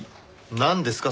なんですか？